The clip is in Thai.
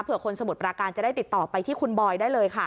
เพื่อคนสมุทรปราการจะได้ติดต่อไปที่คุณบอยได้เลยค่ะ